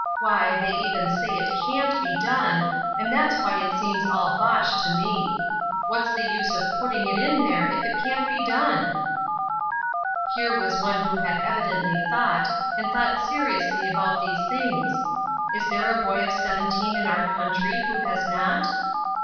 Why, they even say it can't be done, and that's why it seems all bosh to me. What was the use of putting it in there if it can't be done?" Here was one who had evidently thought, and thought seriously about these things. Is there a boy of seventeen in our country who has not?